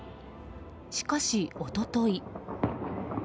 しかし、一昨日。